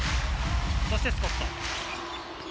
そしてスコット。